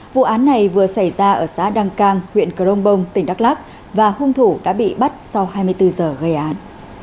vụ án này vừa xảy ra ở xã đăng cang huyện crong bông tỉnh đắk lắc và hung thủ đã bị bắt sau hai mươi bốn giờ gây án